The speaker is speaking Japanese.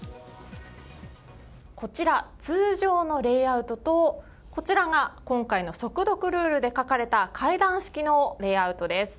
こちら通常のレイアウトとこちらが今回の速読ルールで書かれた階段式のレイアウトです。